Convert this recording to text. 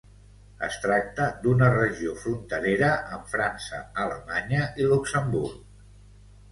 Es tracta d'una regió fronterera amb França, Alemanya i Luxemburg.